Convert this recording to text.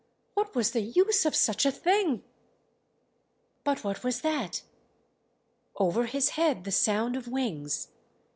What was the use of such a thing? But what was that? Over his head the sound of wings....